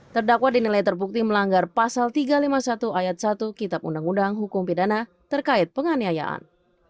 terdakwa dinilai terbukti melanggar pasal tiga ratus lima puluh satu ayat satu kitab undang undang hukum pidana terkait penganiayaan